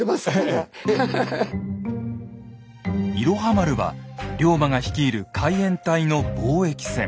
「いろは丸」は龍馬が率いる海援隊の貿易船。